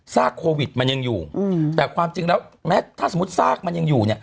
โควิดมันยังอยู่แต่ความจริงแล้วแม้ถ้าสมมุติซากมันยังอยู่เนี่ย